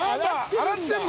洗ってるの？